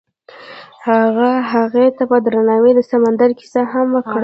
هغه هغې ته په درناوي د سمندر کیسه هم وکړه.